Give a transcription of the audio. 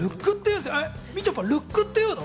みちょぱって、ルックっていうの？